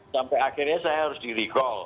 sampai akhirnya saya harus di recall